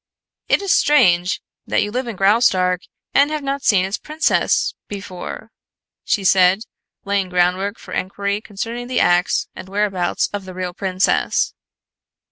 "It is strange that you live in Graustark and have not seen its princess before," she said, laying groundwork for enquiry concerning the acts and whereabouts of the real princess.